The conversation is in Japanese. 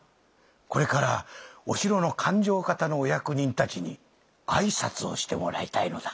これからお城の勘定方のお役人たちに挨拶をしてもらいたいのだ。